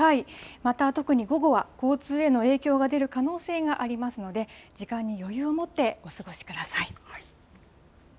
また特に午後は、交通への影響が出る可能性がありますので、時間に余裕を持ってお過ごしください。